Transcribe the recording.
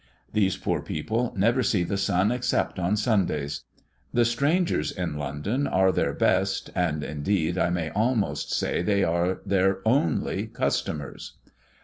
These poor people never see the sun except on Sundays. The strangers in London are their best, and indeed I may almost say, they are their only customers.